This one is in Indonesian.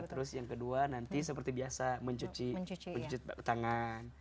terus yang kedua nanti seperti biasa mencuci tangan